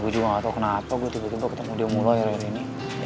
gue juga gak tau kenapa gue tiba tiba ketemu dia mulai ini